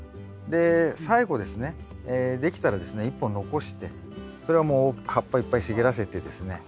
で最後ですねできたらですね１本残してそれはもう葉っぱいっぱい茂らせてですね